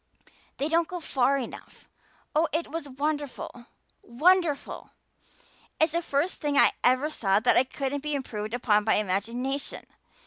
They don't go far enough. Oh, it was wonderful wonderful. It's the first thing I ever saw that couldn't be improved upon by imagination.